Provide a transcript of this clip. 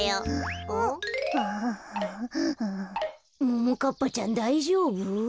ももかっぱちゃんだいじょうぶ？